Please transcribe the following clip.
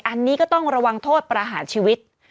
อันนี้ก็ต้องระวังโทษประหารชีวิต